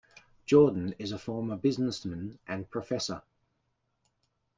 Jordan is a former businessman and professor.